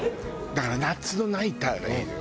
だから夏のナイターがいいのよ。